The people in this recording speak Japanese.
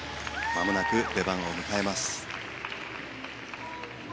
まもなく出番を迎えます。